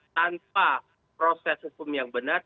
tanpa proses hukum yang benar